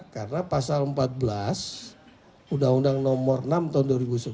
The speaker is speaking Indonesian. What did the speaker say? karena pasal empat belas undang undang nomor enam tahun dua ribu sebelas